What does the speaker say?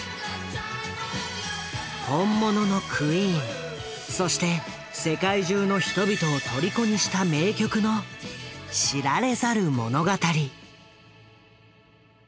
本物のクイーンそして世界中の人々をとりこにした名曲の知られざる物語。